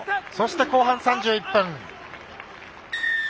そして後半３１分。